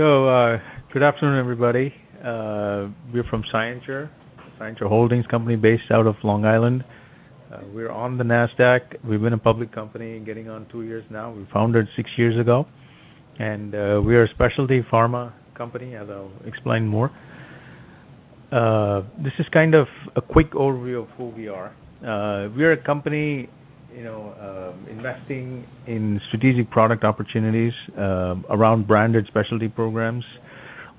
Good afternoon, everybody. We're from Scienture Holdings company based out of Long Island. We're on the Nasdaq. We've been a public company getting on two years now. We founded six years ago. We are a specialty pharma company, as I'll explain more. This is kind of a quick overview of who we are. We're a company investing in strategic product opportunities around branded specialty programs.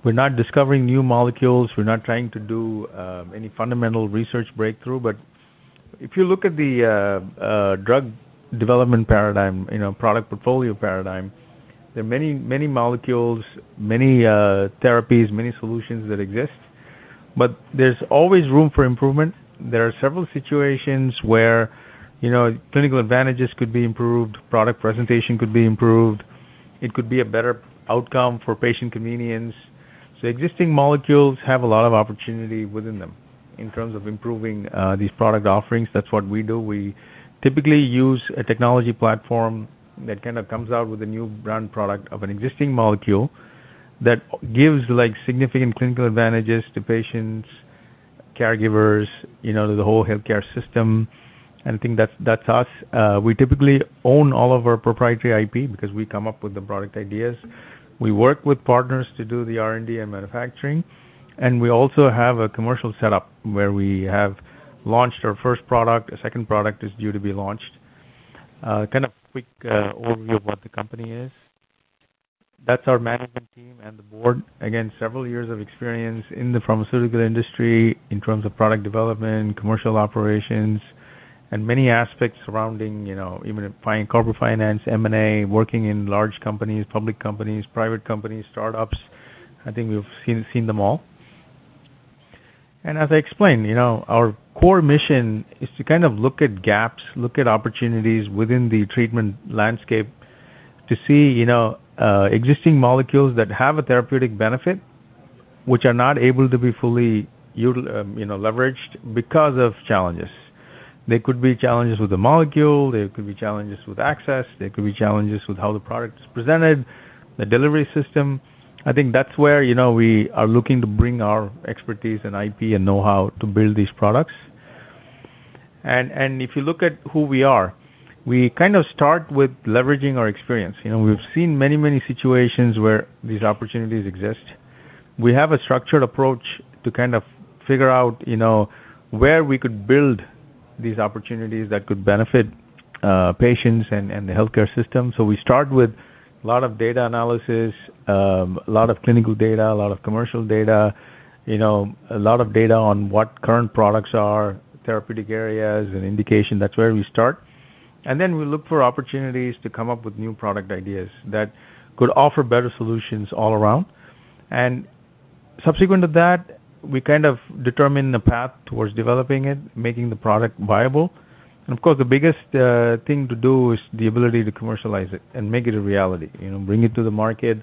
We're not discovering new molecules. We're not trying to do any fundamental research breakthrough. If you look at the drug development paradigm, product portfolio paradigm, there are many molecules, many therapies, many solutions that exist, but there's always room for improvement. There are several situations where clinical advantages could be improved, product presentation could be improved. It could be a better outcome for patient convenience. Existing molecules have a lot of opportunity within them in terms of improving these product offerings. That's what we do. We typically use a technology platform that kind of comes out with a new brand product of an existing molecule that gives significant clinical advantages to patients, caregivers, the whole healthcare system. I think that's us. We typically own all of our proprietary IP because we come up with the product ideas. We work with partners to do the R&D and manufacturing, and we also have a commercial setup where we have launched our first product. A second product is due to be launched. This is a quick overview of what the company is. That's our management team and the board. Again, several years of experience in the pharmaceutical industry in terms of product development, commercial operations, and many aspects surrounding even corporate finance, M&A, working in large companies, public companies, private companies, startups. I think we've seen them all. As I explained, our core mission is to look at gaps, look at opportunities within the treatment landscape to see existing molecules that have a therapeutic benefit, which are not able to be fully leveraged because of challenges. There could be challenges with the molecule, there could be challenges with access, there could be challenges with how the product is presented, the delivery system. I think that's where we are looking to bring our expertise and IP and know-how to build these products. If you look at who we are, we start with leveraging our experience. We've seen many situations where these opportunities exist. We have a structured approach to figure out where we could build these opportunities that could benefit patients and the healthcare system. We start with a lot of data analysis, a lot of clinical data, a lot of commercial data, a lot of data on what current products are, therapeutic areas and indication. That's where we start. Then we look for opportunities to come up with new product ideas that could offer better solutions all around. Subsequent to that, we determine the path towards developing it, making the product viable. Of course, the biggest thing to do is the ability to commercialize it and make it a reality, bring it to the market.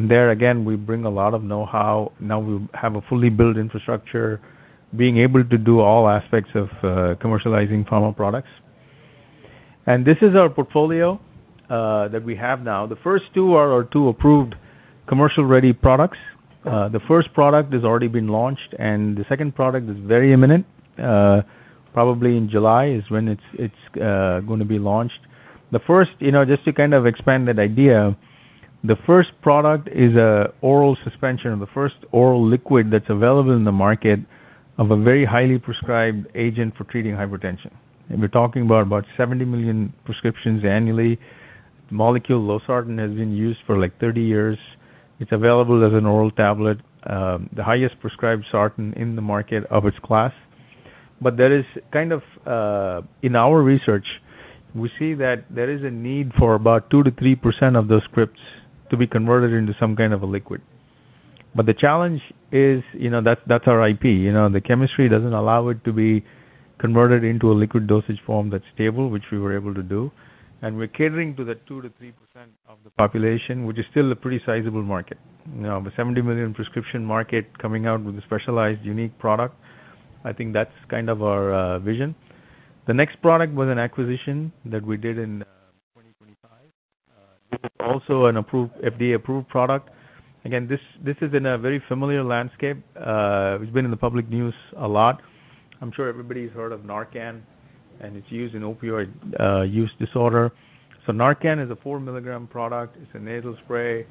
There again, we bring a lot of know-how. Now we have a fully built infrastructure, being able to do all aspects of commercializing pharma products. This is our portfolio that we have now. The first two are our two approved commercial ready products. The first product has already been launched, and the second product is very imminent. Probably in July is when it's going to be launched. Just to expand that idea, the first product is an oral suspension, the first oral liquid that's available in the market of a very highly prescribed agent for treating hypertension. We're talking about 70 million prescriptions annually. Molecule losartan has been used for 30 years. It's available as an oral tablet, the highest prescribed sartan in the market of its class. In our research, we see that there is a need for about 2%-3% of those scripts to be converted into some kind of a liquid. The challenge is, that's our IP. The chemistry doesn't allow it to be converted into a liquid dosage form that's stable, which we were able to do. We're catering to that 2%-3% of the population, which is still a pretty sizable market. A 70 million prescription market coming out with a specialized, unique product. I think that's our vision. The next product was an acquisition that we did in 2025. This is also an FDA-approved product. Again, this is in a very familiar landscape, which has been in the public news a lot. I'm sure everybody's heard of NARCAN, and it's used in opioid use disorder. NARCAN is a 4-milligram product. It's a nasal spray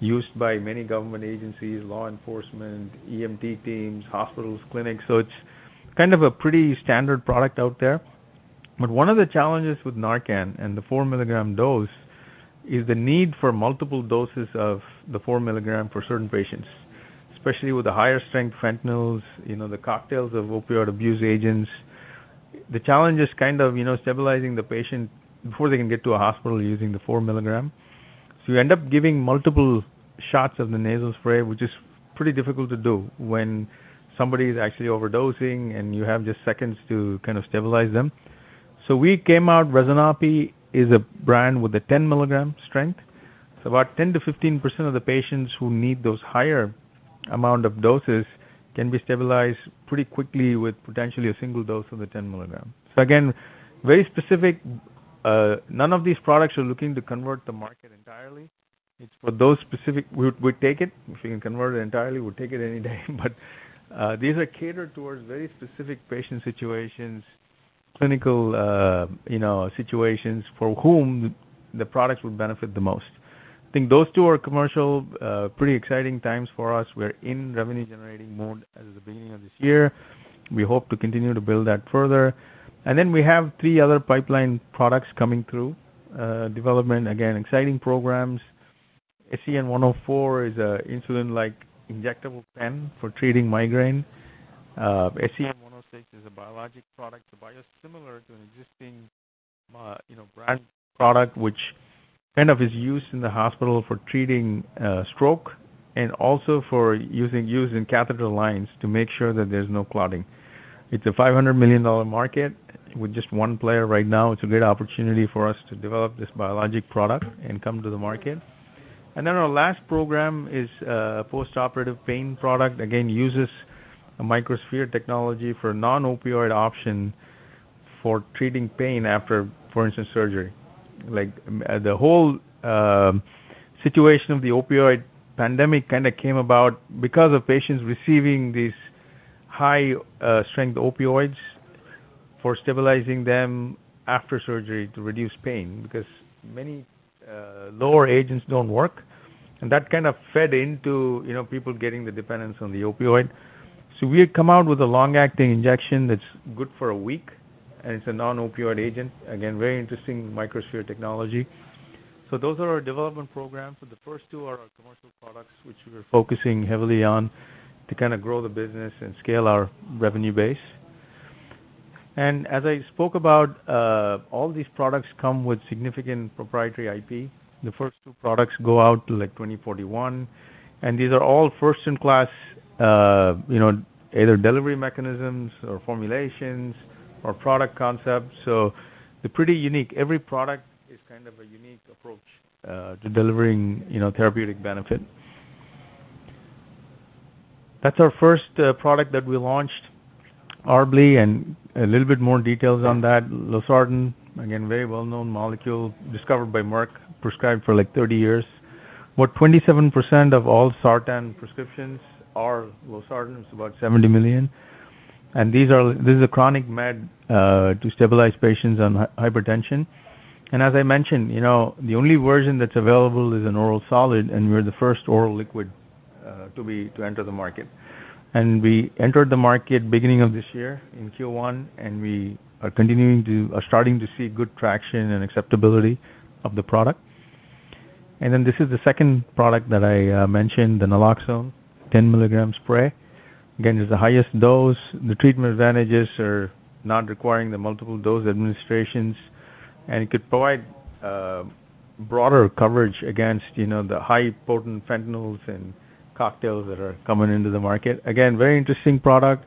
used by many government agencies, law enforcement, EMT teams, hospitals, clinics. It's a pretty standard product out there. One of the challenges with NARCAN and the 4-milligram dose is the need for multiple doses of the 4 milligram for certain patients, especially with the higher strength fentanyls, the cocktails of opioid abuse agents. The challenge is stabilizing the patient before they can get to a hospital using the 4 milligram. You end up giving multiple shots of the nasal spray, which is pretty difficult to do when somebody is actually overdosing and you have just seconds to stabilize them. We came out, REZENOPY is a brand with a 10-milligram strength. About 10%-15% of the patients who need those higher amount of doses can be stabilized pretty quickly with potentially a single dose of the 10 milligram. Again, very specific. None of these products are looking to convert the market entirely. It's for those specific. If we can convert it entirely, we'll take it any day. These are catered towards very specific patient situations, clinical situations for whom the products would benefit the most. I think those two are commercial, pretty exciting times for us. We're in revenue generating mode as of the beginning of this year. We hope to continue to build that further. We have 3 other pipeline products coming through development. Again, exciting programs. SCN-104 is a insulin-like injectable pen for treating migraine. SCN-106 is a biologic product, so biosimilar to an existing brand product, which is used in the hospital for treating stroke and also for used in catheter lines to make sure that there's no clotting. It's a $500 million market with just one player right now. It's a great opportunity for us to develop this biosimilar product and come to the market. Our last program is a postoperative pain product. Again, uses a microsphere technology for non-opioid option for treating pain after, for instance, surgery. The whole situation of the opioid pandemic came about because of patients receiving these high strength opioids for stabilizing them after surgery to reduce pain, because many lower agents don't work. That fed into people getting the dependence on the opioid. We had come out with a long-acting injection that's good for a week, and it's a non-opioid agent. Again, very interesting microsphere technology. Those are our development programs, and the first two are our commercial products, which we are focusing heavily on to grow the business and scale our revenue base. As I spoke about, all these products come with significant proprietary IP. The first two products go out, like, 2041, these are all first-in-class, either delivery mechanisms or formulations or product concepts. They're pretty unique. Every product is a unique approach to delivering therapeutic benefit. That's our first product that we launched, Arbli™, and a little bit more details on that. losartan, again, very well-known molecule discovered by Merck, prescribed for 30 years. About 27% of all sartans prescriptions are losartan. It's about $70 million. This is a chronic med to stabilize patients on hypertension. As I mentioned, the only version that's available is an oral solid, and we're the first oral liquid to enter the market. We entered the market beginning of this year in Q1, and we are starting to see good traction and acceptability of the product. This is the second product that I mentioned, the naloxone 10 mg spray. It's the highest dose. The treatment advantages are not requiring the multiple dose administrations. It could provide broader coverage against the high potent fentanyls and cocktails that are coming into the market. Very interesting product.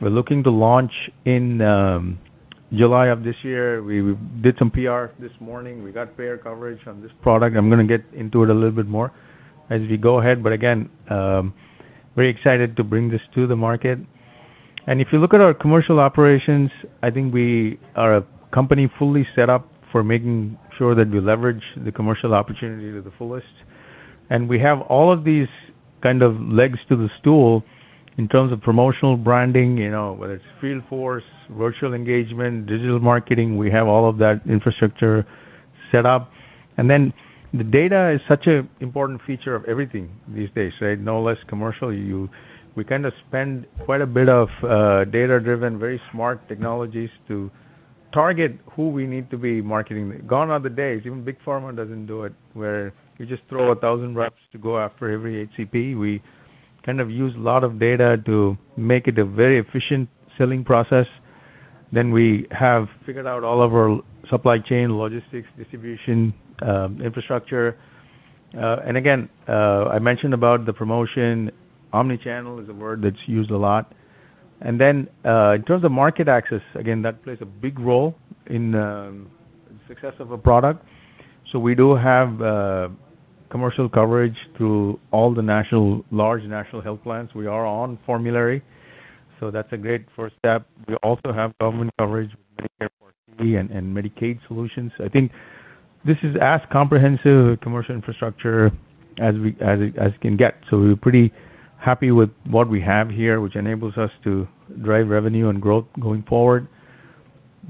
We're looking to launch in July of this year. We did some PR this morning. We got payer coverage on this product. I'm going to get into it a little bit more as we go ahead. Again, very excited to bring this to the market. If you look at our commercial operations, I think we are a company fully set up for making sure that we leverage the commercial opportunity to the fullest. We have all of these legs to the stool in terms of promotional branding, whether it's field force, virtual engagement, digital marketing, we have all of that infrastructure set up. The data is such an important feature of everything these days, no less commercial. We spend quite a bit of data-driven, very smart technologies to target who we need to be marketing. Gone are the days, even big pharma doesn't do it, where you just throw 1,000 reps to go after every HCP. We use a lot of data to make it a very efficient selling process. We have figured out all of our supply chain, logistics, distribution, infrastructure. I mentioned about the promotion. Omnichannel is a word that's used a lot. In terms of market access, again, that plays a big role in the success of a product. We do have commercial coverage through all the large national health plans. We are on formulary. That's a great first step. We also have government coverage with Medicare Part D and Medicaid solutions. I think this is as comprehensive a commercial infrastructure as it can get. We're pretty happy with what we have here, which enables us to drive revenue and growth going forward.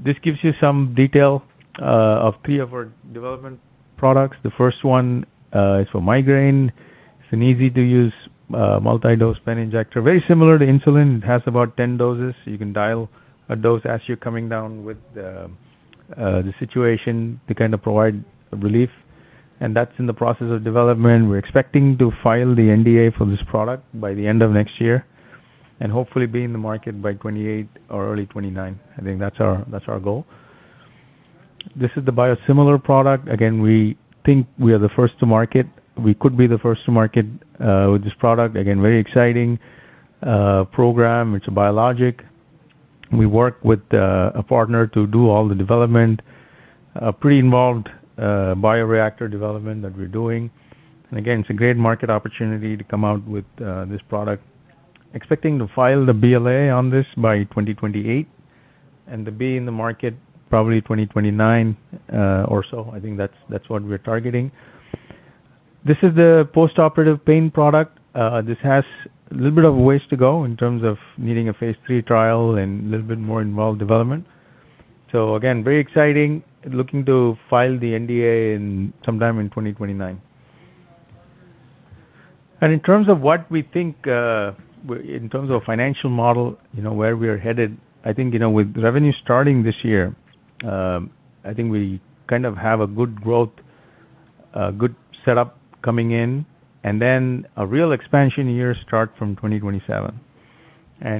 This gives you some detail of three of our development products. The first one is for migraine. It's an easy-to-use, multi-dose pen injector. Very similar to insulin. It has about 10 doses. You can dial a dose as you're coming down with the situation to provide relief. That's in the process of development. We're expecting to file the NDA for this product by the end of next year and hopefully be in the market by 2028 or early 2029. I think that's our goal. This is the biosimilar product. Again, we think we are the first to market. We could be the first to market with this product. Again, very exciting program. It's a biologic. We work with a partner to do all the development, pretty involved bioreactor development that we're doing. Again, it's a great market opportunity to come out with this product. Expecting to file the BLA on this by 2028, and to be in the market probably 2029 or so. I think that's what we're targeting. This is the postoperative pain product. This has a little bit of a ways to go in terms of needing a Phase III trial and a little bit more involved development. Again, very exciting. Looking to file the NDA sometime in 2029. In terms of financial model, where we are headed, I think, with revenue starting this year, I think we have a good growth, good setup coming in, a real expansion year start from 2027.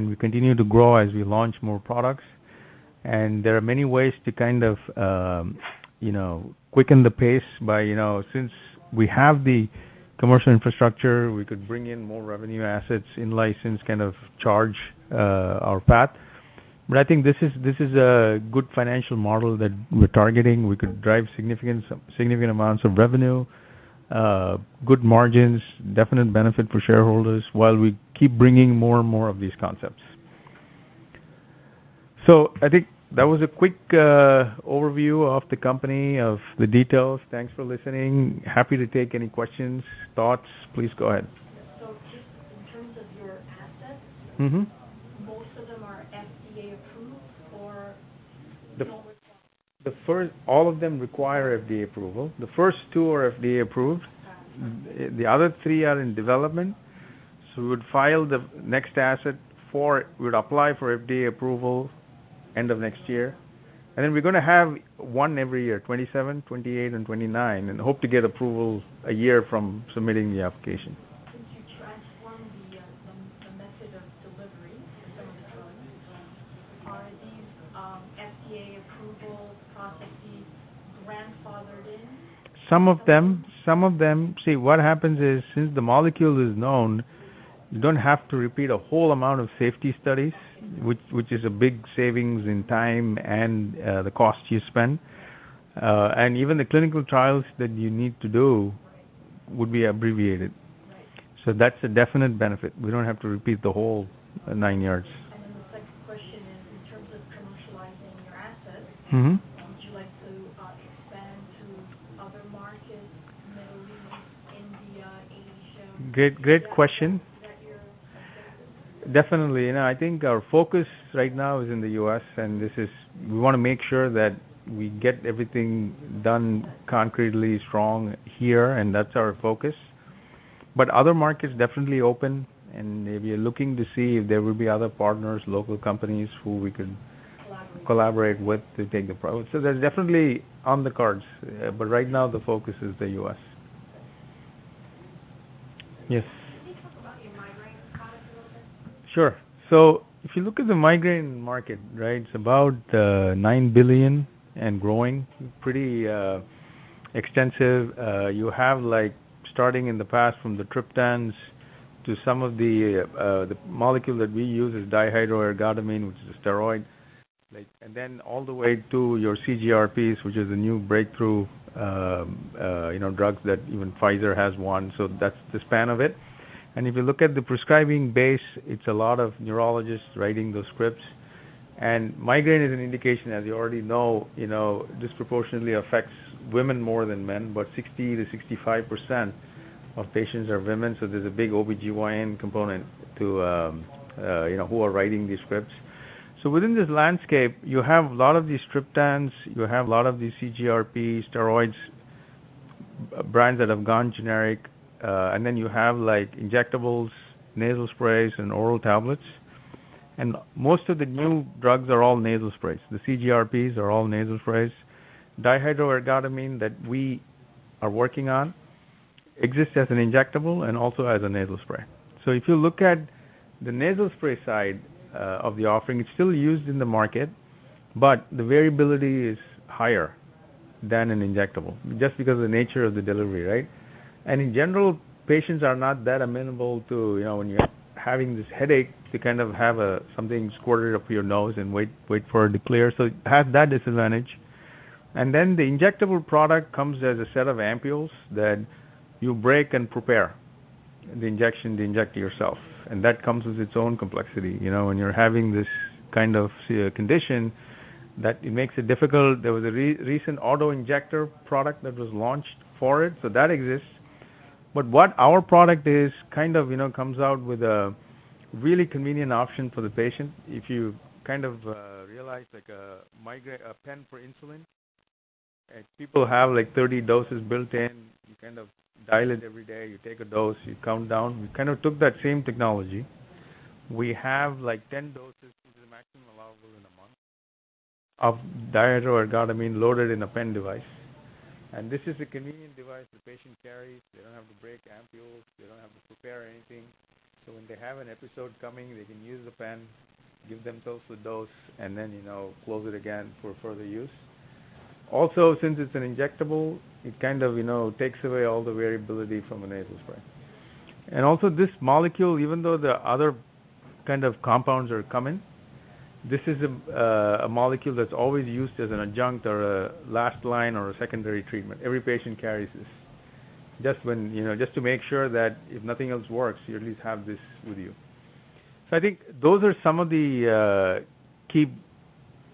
We continue to grow as we launch more products. There are many ways to quicken the pace. Since we have the commercial infrastructure, we could bring in more revenue assets, in-license, kind of charge our path. I think this is a good financial model that we're targeting. We could drive significant amounts of revenue, good margins, definite benefit for shareholders while we keep bringing more and more of these concepts. I think that was a quick overview of the company, of the details. Thanks for listening. Happy to take any questions, thoughts. Please go ahead. Just in terms of your assets- -most of them are FDA-approved or you don't require? All of them require FDA approval. The first 2 are FDA-approved. Got it. The other three are in development. We would file the next asset. We'd apply for FDA approval end of next year, and then we're going to have one every year, 2027, 2028, and 2029, and hope to get approval a year from submitting the application. You transformed the method of delivery for some of the drugs, are these FDA approval processes grandfathered in? Some of them. See, what happens is, since the molecule is known, you don't have to repeat a whole amount of safety studies, which is a big savings in time and the cost you spend. Even the clinical trials that you need to do would be abbreviated. Right. That's a definite benefit. We don't have to repeat the whole nine yards. The second question is, in terms of commercializing your assets. Would you like to expand to other markets, Middle East, India, Asia? Great question. Is that your objective? Definitely. I think our focus right now is in the U.S., and we want to make sure that we get everything done concretely strong here, and that's our focus. Other markets definitely open, and we are looking to see if there will be other partners, local companies who we could. Collaborate collaborate with to take the product. That's definitely on the cards. Right now, the focus is the U.S. Okay. Yes. Can you talk about your migraine product a little bit? Sure. If you look at the migraine market, it's about $9 billion and growing. Pretty extensive. You have starting in the past from the triptans to some of the molecule that we use is dihydroergotamine, which is a steroid. All the way to your CGRPs, which is a new breakthrough, drugs that even Pfizer has one. That's the span of it. If you look at the prescribing base, it's a lot of neurologists writing those scripts. Migraine is an indication, as you already know, disproportionately affects women more than men, but 60%-65% of patients are women. There's a big OBGYN component to who are writing these scripts. Within this landscape, you have a lot of these triptans, you have a lot of these CGRPs, steroids, brands that have gone generic. You have injectables, nasal sprays, and oral tablets. Most of the new drugs are all nasal sprays. The CGRPs are all nasal sprays. Dihydroergotamine that we are working on exists as an injectable and also as a nasal spray. If you look at the nasal spray side of the offering, it's still used in the market, but the variability is higher than an injectable, just because of the nature of the delivery. In general, patients are not that amenable to when you're having this headache, to have something squirted up your nose and wait for it to clear. It has that disadvantage. The injectable product comes as a set of ampoules that you break and prepare the injection to inject yourself. That comes with its own complexity. When you're having this kind of condition, that it makes it difficult. What our product is, comes out with a really convenient option for the patient. If you realize, like a pen for insulin. People have 30 doses built in. You dial it every day, you take a dose, you count down. We took that same technology. We have 10 doses, which is the maximum allowable in a month, of dihydroergotamine loaded in a pen device. This is a convenient device the patient carries. They don't have to break ampoules, they don't have to prepare anything. When they have an episode coming, they can use the pen, give themselves the dose, and then close it again for further use. Since it's an injectable, it takes away all the variability from the nasal spray. Also this molecule, even though the other kind of compounds are coming, this is a molecule that's always used as an adjunct or a last line or a secondary treatment. Every patient carries this just to make sure that if nothing else works, you at least have this with you. I think those are some of the key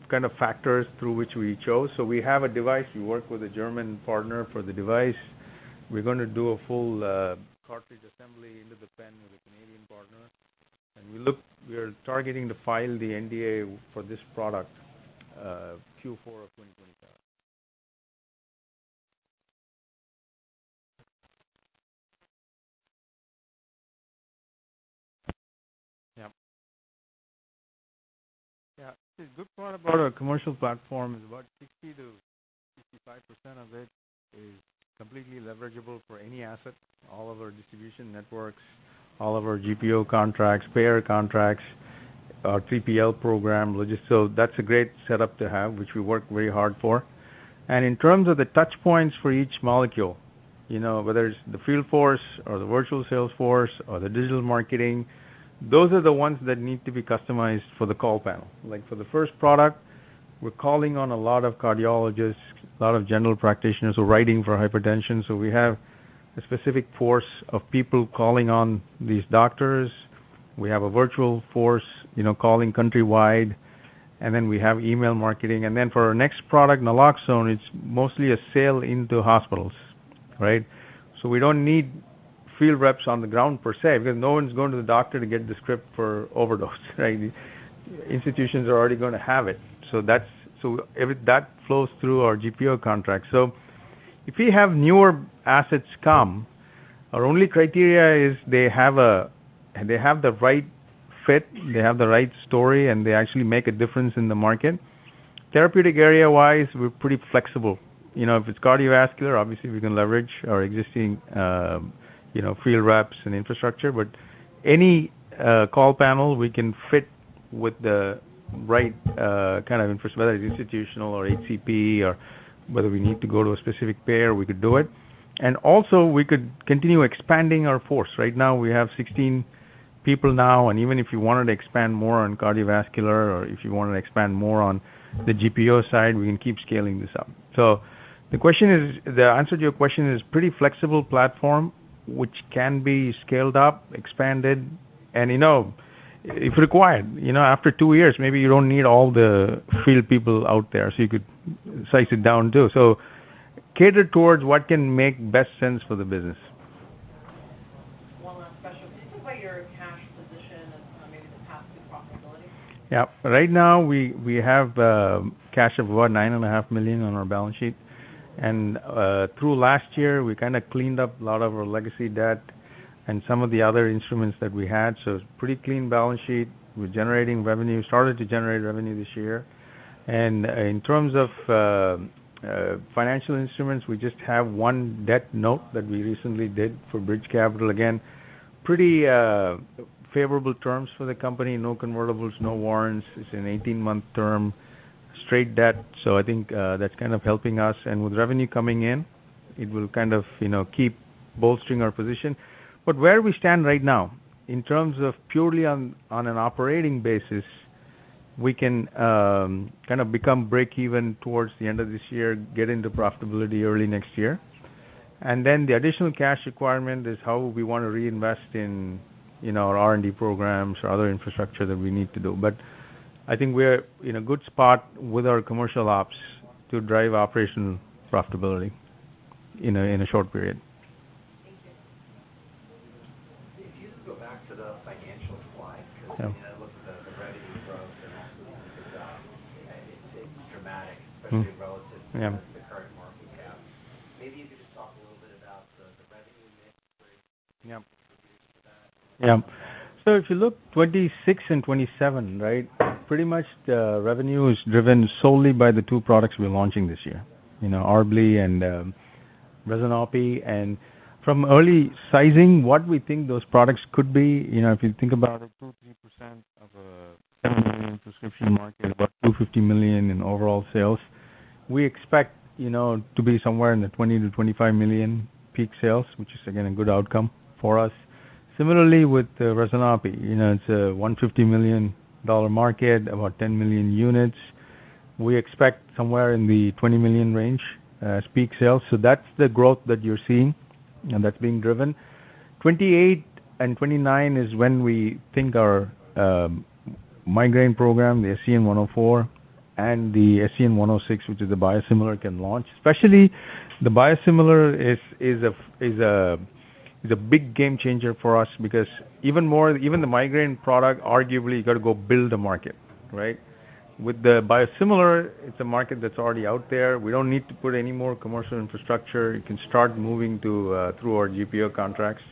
kind of factors through which we chose. We have a device. We work with a German partner for the device. We're going to do a full cartridge assembly into the pen with a Canadian partner, and we are targeting to file the NDA for this product Q4 of 2025. Yeah. Yeah. See, the good part about our commercial platform is about 60%-65% of it is completely leverageable for any asset. All of our distribution networks, all of our GPO contracts, payer contracts, our TPL program, logistics. That's a great setup to have, which we work very hard for. In terms of the touchpoints for each molecule, whether it's the field force or the virtual sales force or the digital marketing, those are the ones that need to be customized for the call panel. Like for the first product, we're calling on a lot of cardiologists, a lot of general practitioners who are writing for hypertension. We have a specific force of people calling on these doctors. We have a virtual force calling countrywide, then we have email marketing. Then for our next product, naloxone, it's mostly a sale into hospitals, right? We don't need field reps on the ground per se, because no one's going to the doctor to get the script for overdose, right? Institutions are already going to have it. That flows through our GPO contract. If we have newer assets come, our only criteria is they have the right fit, they have the right story, and they actually make a difference in the market. Therapeutic area-wise, we're pretty flexible. If it's cardiovascular, obviously we can leverage our existing field reps and infrastructure. Any call panel we can fit with the right kind of infrastructure, whether it's institutional or HCP or whether we need to go to a specific payer, we could do it. Also we could continue expanding our force. Right now, we have 16 people now, even if we wanted to expand more on cardiovascular or if we wanted to expand more on the GPO side, we can keep scaling this up. The answer to your question is pretty flexible platform, which can be scaled up, expanded, and if required. After two years, maybe you don't need all the field people out there, you could size it down, too. Catered towards what can make best sense for the business. One last question. Can you talk about your cash position and maybe the path to profitability? Yeah. Right now, we have cash of what? Nine and a half million on our balance sheet. Through last year, we cleaned up a lot of our legacy debt and some of the other instruments that we had. It's pretty clean balance sheet. We're generating revenue. Started to generate revenue this year. In terms of financial instruments, we just have one debt note that we recently did for Bridge Capital. Again, pretty favorable terms for the company. No convertibles, no warrants. It's an 18-month term, straight debt. I think that's helping us. With revenue coming in, it will keep bolstering our position. Where we stand right now, in terms of purely on an operating basis, we can become break-even towards the end of this year, get into profitability early next year. The additional cash requirement is how we want to reinvest in our R&D programs or other infrastructure that we need to do. I think we're in a good spot with our commercial ops to drive operation profitability in a short period. Thank you. If you could just go back to the financial slide. Yeah. I looked at the revenue growth and absolutely good job. It's dramatic. Yeah. It is especially relative to the current market cap. Maybe you could just talk a little bit about the revenue mix where you see that. Yeah. If you look 2026 and 2027, right? Pretty much the revenue is driven solely by the two products we're launching this year. Arbli™ and REZENOPY™. From early sizing, what we think those products could be, if you think about a 2%, 3% of a 7 million prescription market, about $250 million in overall sales. We expect to be somewhere in the $20 million-$25 million peak sales, which is again, a good outcome for us. Similarly, with REZENOPY™, it's a $150 million market, about 10 million units. We expect somewhere in the $20 million range as peak sales. That's the growth that you're seeing and that's being driven. 2028 and 2029 is when we think our migraine program, the SCN-104 and the SCN-106, which is a biosimilar can launch. Especially the biosimilar is a big game changer for us because even the migraine product, arguably, you got to go build the market, right? With the biosimilar, it's a market that's already out there. We don't need to put any more commercial infrastructure. We can start moving through our GPO contracts,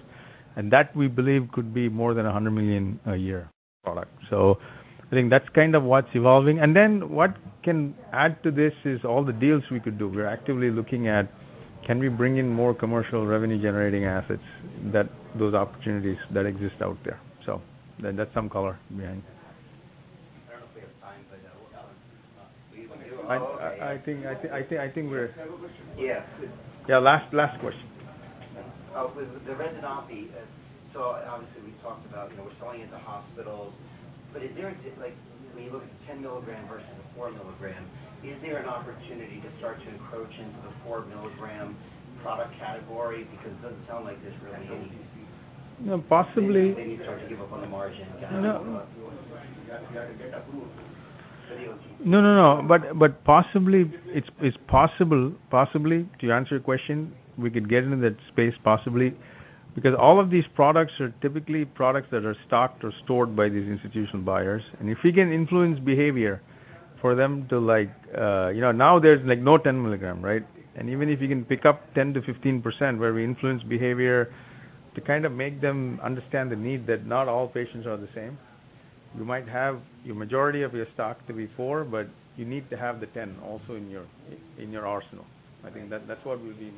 and that, we believe, could be more than a $100 million a year product. I think that's what's evolving. What can add to this is all the deals we could do. We're actively looking at, can we bring in more commercial revenue-generating assets, those opportunities that exist out there. That's some color behind. I don't know if we have time for another one. I think we're. Yeah. Yeah, last question. With the REZENOPY, Obviously we talked about we're selling into hospitals, When you look at 10 milligram versus a four milligram, is there an opportunity to start to encroach into the four milligram product category? Because it doesn't sound like there's really any- No, possibly- They need to start to give up on the margin. No. You have to get approved. No, possibly. It's possible, possibly, to answer your question, we could get into that space, possibly, because all of these products are typically products that are stocked or stored by these institutional buyers. If we can influence behavior for them to like Now there's no 10 milligram, right? Even if you can pick up 10%-15%, where we influence behavior to make them understand the need that not all patients are the same. You might have your majority of your stock to be four, but you need to have the 10 also in your arsenal. I think that's what we need.